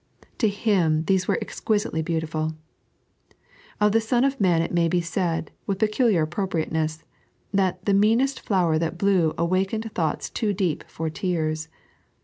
To Him these were exqttisitely beautiful. Of the Son df Man it may be said, with peculiar appropriateness, that "the meanest flower that blew awakened thoughts too deep for tears."